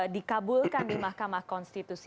dikabulkan di mahkamah konstitusi